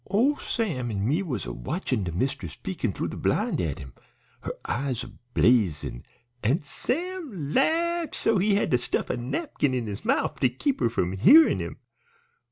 "Ole Sam an' me was a watchin' de mist'ess peekin' th'ough de blind at him, her eyes a blazin', an' Sam laughed so he had to stuff a napkin in his mouf to keep 'er from hearin' him.